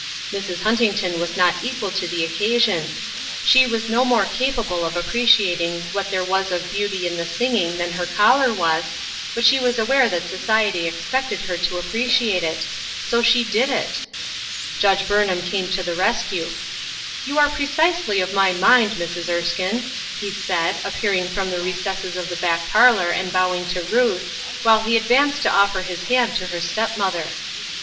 Mrs. Huntington was not equal to the occasioa She was no more capa ble of appreciating whdt there was of beauty in the singing than her caller was, but she was aware that society expected her to appreciate it ; A Society Cro89, 149 so she did it I Judge Burnham came to the res< cue: " You are precisely of my mind, Mrs Erskine," he said, appearing from the recesses of the back parlor, and bowing to Kuth, while he advanced to offer his hand to her step mother.